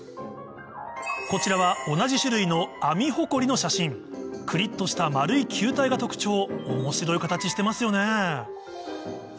こちらは同じ種類のアミホコリの写真クリっとした丸い球体が特徴面白い形してますよね